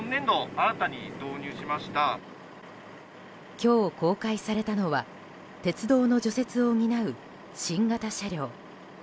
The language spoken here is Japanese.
今日公開されたのは鉄道の除雪を担う新型車両。